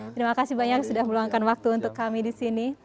terima kasih banyak sudah meluangkan waktu untuk kami di sini